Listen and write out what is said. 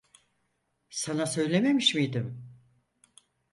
Sana söylememiş miydim?